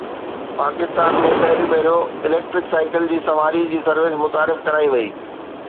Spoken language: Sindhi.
پاڪستان ۾ پهريون ڀيرو اليڪٽرڪ سائيڪل جي سواري جي سروس متعارف ڪرائي وئي